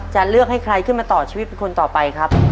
จะเลือกให้ใครขึ้นมาต่อชีวิตเป็นคนต่อไปครับ